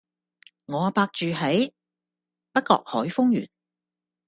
我阿伯住喺北角海峰園